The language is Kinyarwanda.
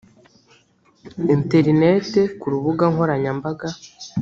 interinete ku rubuga nkoranyambaga